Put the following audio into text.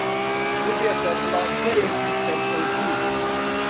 ببێتە بڵاگەرێکی سەرکەوتوو.